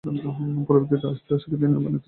পরবর্তীতে আশির দশকে তিনি আবার নেত্রকোণা ফিরে আসেন।